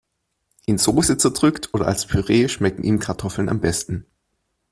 In Soße zerdrückt oder als Püree schmecken ihm Kartoffeln am besten.